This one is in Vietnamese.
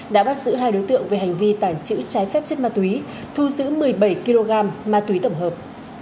đã bắt giữ hai đối tượng về hành vi tàng trữ trái phép chất ma túy thu giữ một mươi bảy kg ma túy tổng hợp